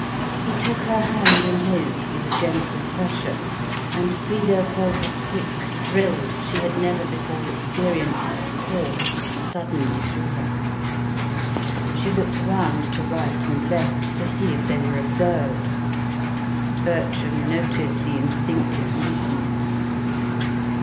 He took her hand in his with a gentle pressure, and Frida felt a quick thrill she had never before experienced course suddenly through her. She looked around to right and left, to see if they were observed. Bertram noticed the instinctive movement.